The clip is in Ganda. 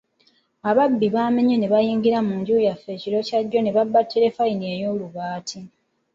Ababbi baamenye ne bayingira mu nju yaffe ekiro kya jjo ne babba terefalina ey'olubaati.